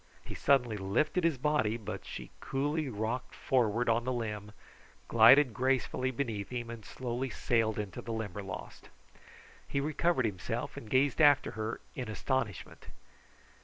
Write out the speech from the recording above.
He suddenly lifted his body, but she coolly rocked forward on the limb, glided gracefully beneath him, and slowly sailed into the Limberlost. He recovered himself and gazed after her in astonishment.